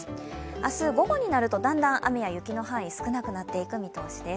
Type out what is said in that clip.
明日、午後になるとだんだん雨や雪の範囲は少なくなっていく見通しです。